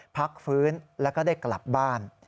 พักฟื้นแล้วก็ได้กลับบ้าน